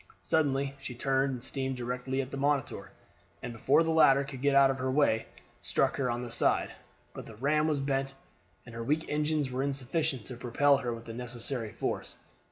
Suddenly she turned and steamed directly at the Monitor, and before the latter could get out of her way struck her on the side; but the ram was bent and her weak engines were insufficient to propel her with the necessary force.